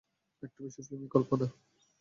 একটু বেশিই ফিল্মি কল্পনা।